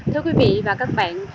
thưa quý vị và các bạn